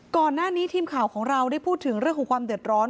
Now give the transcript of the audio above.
ก่อนหน้านี้ทีมข่าวของเราได้พูดถึงเรื่องของความเดือดร้อน